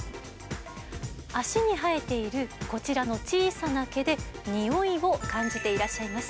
脚に生えているこちらの小さな毛でにおいを感じていらっしゃいます。